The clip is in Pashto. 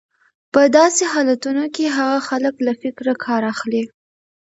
په داسې حالتونو کې هغه خلک له فکره کار اخلي.